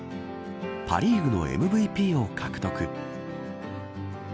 パ・リーグのＭＶＰを獲得。